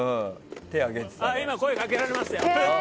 今、声をかけられましたよ。